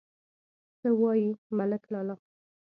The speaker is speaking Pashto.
_څه وايې، ملک لالا!